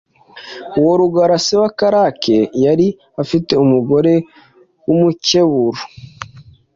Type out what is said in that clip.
Uwo Rugara se wa Karake yari afite umugore w’umukeburu